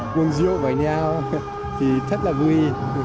cuốn rượu với nhau thì rất là vui